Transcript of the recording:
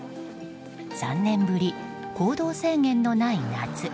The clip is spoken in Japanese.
３年ぶり、行動制限のない夏。